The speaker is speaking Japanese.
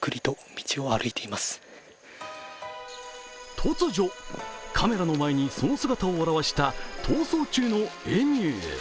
突如、カメラの前にその姿を現した逃走中のエミュー。